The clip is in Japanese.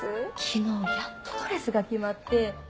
昨日やっとドレスが決まって。